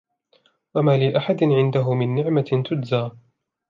وَمَا لِأَحَدٍ عِنْدَهُ مِنْ نِعْمَةٍ تُجْزَى